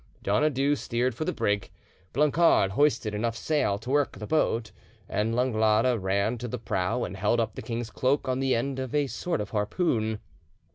Donadieu steered for the brig, Blancard hoisted enough sail to work the boat, and Langlade ran to the prow and held up the king's cloak on the end of a sort of harpoon.